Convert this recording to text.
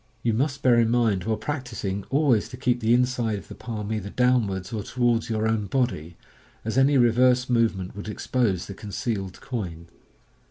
You must bear in mind while practising always to keep the inside of the palm either downwards or towards your own body, as any reverse movement would expose the concealed coin.